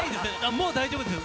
もう大丈夫です。